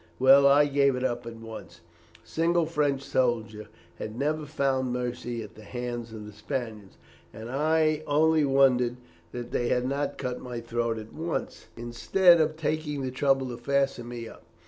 "Well, I gave it up at once. A single French soldier had never found mercy at the hands of the Spaniards, and I only wondered that they had not cut my throat at once, instead of taking the trouble to fasten me up.